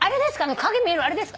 影見えるあれですか？